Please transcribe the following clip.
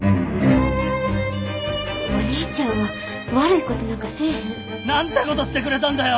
お兄ちゃんは悪いことなんかせえへん。なんてことしてくれたんだよ！